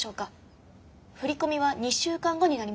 振り込みは２週間後になりますが。